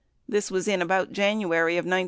This was in about January of 1972.